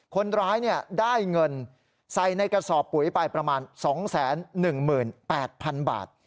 คนร้ายได้เงินใส่ในกระสอบปุ๋ยไปประมาณ๒๑๘๐๐๐บาท